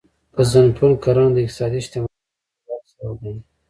ګزنفون کرنه د اقتصادي شتمنۍ د ډیروالي سبب ګڼله